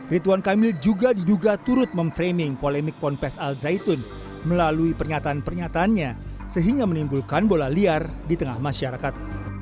rituan kamil juga diduga turut memframing polemik ponpes al zaitun melalui pernyataan pernyataannya sehingga menimbulkan bola liar di tengah masyarakat